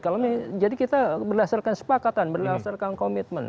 kalau ini jadi kita berdasarkan sepakatan berdasarkan komitmen